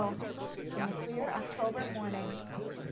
In the clear October morning.